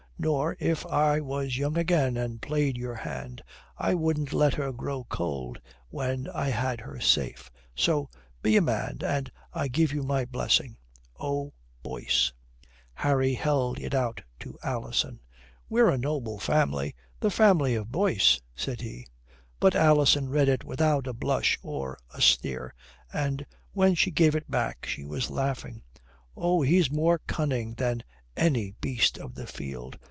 Nor if I was young again and played your hand, I wouldn't let her grow cold when I had her safe.... So be a man, and I give you my blessing. "O. BOYCE" Harry held it out to Alison. "We're a noble family the family of Boyce," said he. But Alison read it without a blush or a sneer, and when she gave it back she was laughing. "Oh, he's more cunning than any beast of the field!